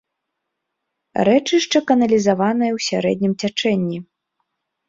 Рэчышча каналізаванае ў сярэднім цячэнні.